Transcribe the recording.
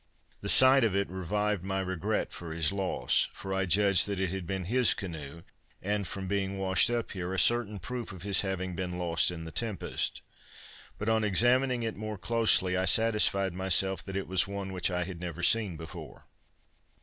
The sight of it revived my regret for his loss, for I judged that it had been his canoe; and, from being washed up here, a certain proof of his having been lost in the tempest. But, on examining it more closely, I satisfied myself that it was one which I had never seen before.